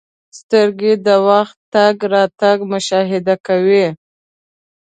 • سترګې د وخت تګ راتګ مشاهده کوي.